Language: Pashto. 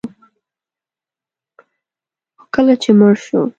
خو کله چې مړ شو